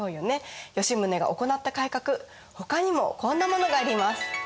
吉宗が行った改革ほかにもこんなものがあります。